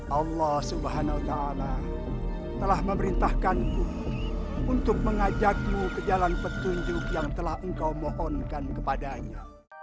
allah swt telah memerintahkanku untuk mengajakmu ke jalan petunjuk yang telah engkau mohonkan kepadanya